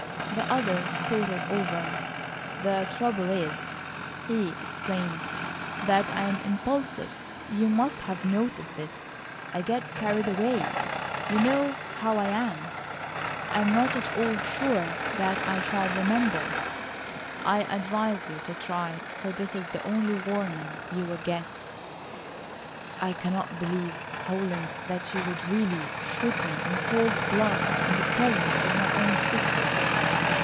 The other thought it over. "The trouble is," he explained, "that I am impulsive. You must have noticed it. I get carried away. You know how I am. I'm not at all sure that I shall remember." "I advise you to try, for this is the only warning you will get." "I cannot believe, Holland, that you would really shoot me in cold blood in the presence of my own sister."